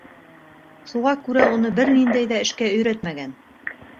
Шуға күрә уны бер ниндәй ҙә эшкә өйрәтмәгән.